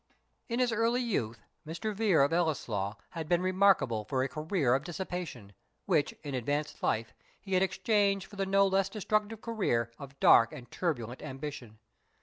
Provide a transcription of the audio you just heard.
In early youth, Mr. Vere of Ellieslaw had been remarkable for a career of dissipation, which, in advanced life, he had exchanged for the no less destructive career of dark and turbulent ambition.